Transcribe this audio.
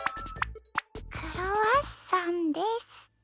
クロワッサンです。